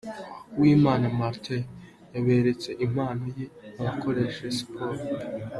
Uwimana Martin yaberetse impano ye abakoresha siporo.